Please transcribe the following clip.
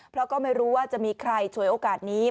เพราะก็ไม่รู้ว่าจะมีใครฉวยโอกาสนี้